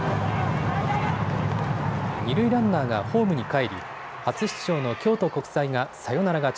二塁ランナーがホームに帰り初出場の京都国際がサヨナラ勝ち。